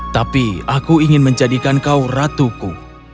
tapi aku ingin menjadikan kau ratuku